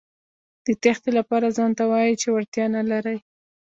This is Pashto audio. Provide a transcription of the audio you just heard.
د تېښتې لپاره ځانته وايئ چې وړتیا نه لرئ.